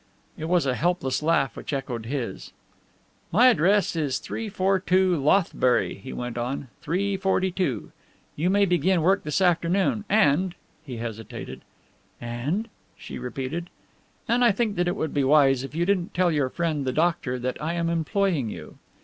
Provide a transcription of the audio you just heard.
It was a helpless laugh which echoed his. "My address is 342 Lothbury," he went on, "342. You may begin work this afternoon and " He hesitated. "And?" she repeated. "And I think it would be wise if you didn't tell your friend, the doctor, that I am employing you."